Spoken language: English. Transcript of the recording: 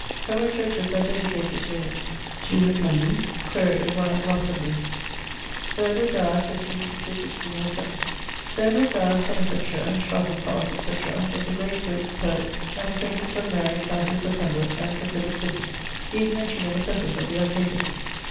Severall churches are dedicated to him: two at London: quaere if one at Glastonbury. =Sir Edward Dyer= (15.. 1607). Sir Edward Dyer, of Somersetshire (Sharpham Parke, etc.), was a great witt, poet, and acquaintance of Mary, countesse of Pembroke, and Sir Philip Sydney. He is mentioned in the preface of the 'Arcadia.'